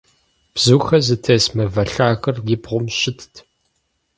Бзухэр зытес мывэ лъагэр и бгъум щытт.